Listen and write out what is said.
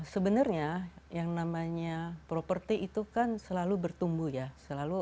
sebenarnya yang namanya properti itu kan selalu bertumbuh ya